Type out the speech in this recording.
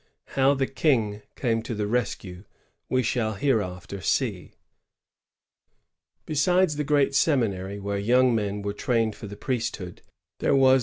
How the King came to the rescue, we shall hereafter see. Besides the g^at seminary where young men were trained for the priesthood, there was the lesser semi Ti.